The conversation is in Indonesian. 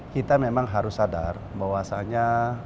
kita memang harus sadar bahwasannya